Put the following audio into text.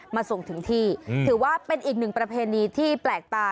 ส่งถึงที่ถือว่าเป็นอีกหนึ่งประเพณีที่แปลกตา